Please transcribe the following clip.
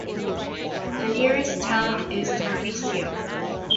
The nearest town is Tarvisio.